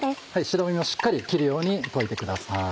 白身もしっかり切るように溶いてください。